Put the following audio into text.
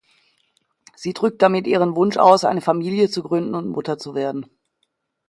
Sie drückt damit ihren Wunsch aus, eine Familie zu gründen und Mutter zu werden.